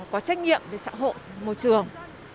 có trách nhiệm để xã hội môi trường